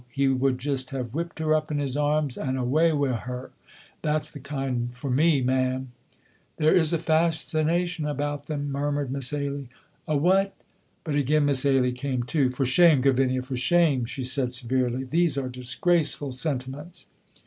He would just have whipped her up in his arms and away wi' her. That's the kind for me, ma'am." "There is a fascination about them," murmured Miss Ailie. "A what?" But again Miss Ailie came to. "For shame, Gavinia, for shame!" she said, severely; "these are disgraceful sentiments."